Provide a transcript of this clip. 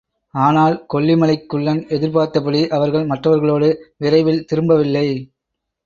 ஆனால், கொல்லிமலைக் குள்ளன் எதிர்பார்த்தபடி அவர்கள் மற்றவர்களோடு விரைவில் திரும்பவில்லை.